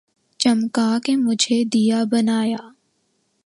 چمکا کے مجھے دیا بنا یا